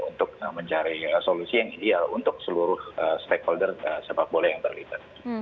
untuk mencari solusi yang ideal untuk seluruh stakeholder sepak bola yang terlibat